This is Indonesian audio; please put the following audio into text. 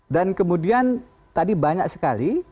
dan kemudian tadi banyak sekali